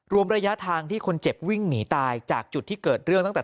รวมระยะทางที่คนเจ็บวิ่งหนีตายจากจุดที่เกิดเรื่องตั้งแต่